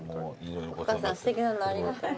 お母さんすてきなのありがとう。